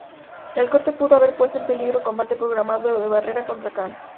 El corte pudo haber puesto en peligro el combate programado de Barrera contra Khan.